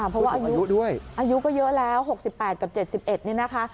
เพราะว่าอายุก็เยอะแล้ว๖๘กับ๗๑นี่นะคะ